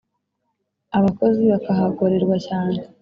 abakozi bakahagorerwa cyane